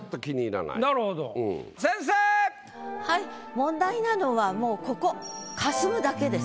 問題なのはもうここ「かすむ」だけです。